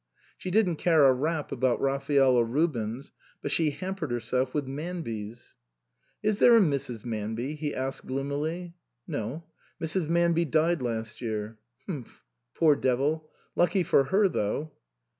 She didn't care a rap about Raphael or Rubens, but she hampered herself with Manbys. " Is there a Mrs. Manby ?" he asked gloomily. " No. Mrs. Manby died last year." " H'mph ! Poor devil ! Lucky for her though."